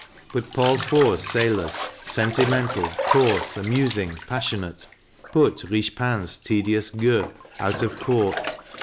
But Paul Fort's sailors sentimental, coarse, amusing, passion ate put Richepin's tedious " Gueux " out of court.